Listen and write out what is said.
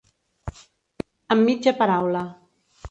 Amb mitja paraula.